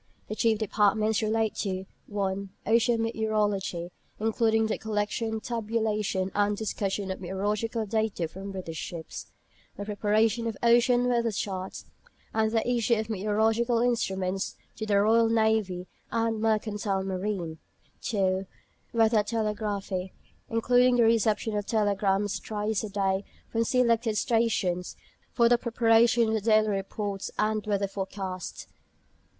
The chief departments relate to: (1) Ocean Meteorology, including the collection, tabulation, and discussion of meteorological data from British ships, the preparation of ocean weather charts, and the issue of meteorological instruments to the Royal Navy and Mercantile Marine; (2) Weather Telegraphy, including the reception of telegrams thrice a day from selected stations for the preparation of the daily reports and weather forecasts.